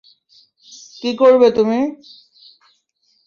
কি করবে তুমি?